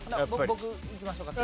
僕いきましょうか？